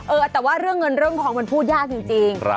เออแต่ว่าเรื่องเงินเรื่องทองมันพูดยากจริง